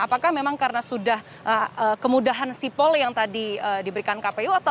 apakah memang karena sudah kemudahan sipol yang tadi diberikan kpu